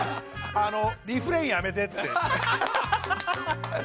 あのリフレインやめてって。